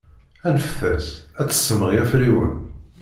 Anfet-as ad d-tessemɣi afriwen.